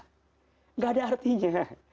tidak ada artinya